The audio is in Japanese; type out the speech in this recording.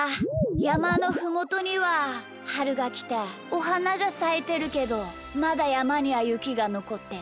やまのふもとにははるがきておはながさいてるけどまだやまにはゆきがのこってる。